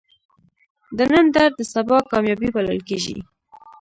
د نن درد د سبا کامیابی بلل کېږي.